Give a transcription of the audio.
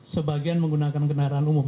sebagian menggunakan kendaraan umum